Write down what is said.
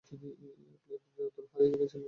প্লেনটির নিয়ন্ত্রণ হারিয়ে গেছিলো, চার্লি।